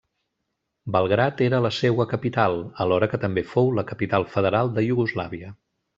Belgrad era la seua capital, alhora que també fou la capital federal de Iugoslàvia.